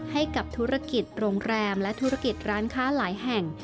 ให้กับธุรกิจโรงแรมและธุรกิจร้านค้าหลายแห่ง